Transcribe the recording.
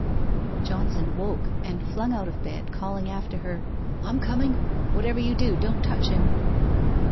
Johnson woke, and flung out of bed, calling after her, 1 I'm coming. "Whatever you do, don't touch him.'